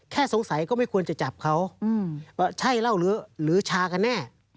แค่สงสัยก็ไม่ควรจะจับเขาว่าใช่เหล้าหรือชากันแน่